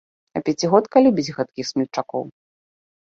А пяцігодка любіць гэткіх смельчакоў.